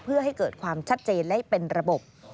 เพื่อให้เกิดความชัดเจนและเป็นระบบ